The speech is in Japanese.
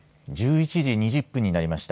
１１時２０分になりました。